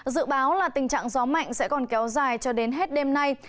dự báo là tình trạng gió mạnh sẽ còn kéo dài cho đến hết đêm nay